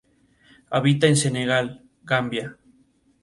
Él se refugia en la bebida, por sentirse un hombre fracasado.